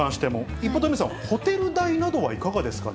一方、鳥海さん、ホテル代などはいかがですか？